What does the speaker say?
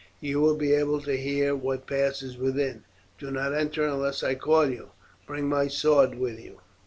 You will be able to hear what passes within. Do not enter unless I call you. Bring my sword with you."